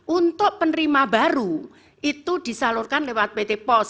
untuk penerima baru itu disalurkan lewat pt pos